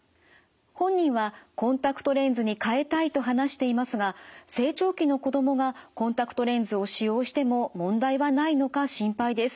本人はコンタクトレンズに替えたいと話していますが成長期の子どもがコンタクトレンズを使用しても問題はないのか心配です。